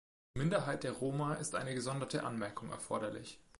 Zur Minderheit der Roma ist eine gesonderte Anmerkung erforderlich.